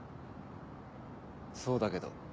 そうだけど。